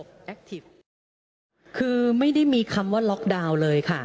คือไม่ได้มีคำว่าล็อกดาวน์เลยค่ะ